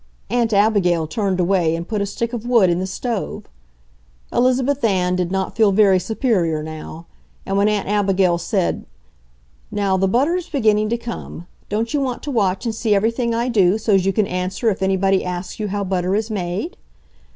Aunt Abigail turned away and put a stick of wood in the stove. Elizabeth Ann did not feel very superior now, and when Aunt Abigail said, "Now the butter's beginning to come. Don't you want to watch and see everything I do, so's you can answer if anybody asks you how butter is made?"